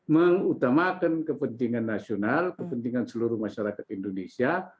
mengutamakan kepentingan nasional kepentingan seluruh masyarakat indonesia